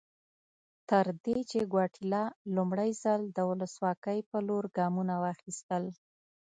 تر دې چې ګواتیلا لومړی ځل د ولسواکۍ په لور ګامونه واخیستل.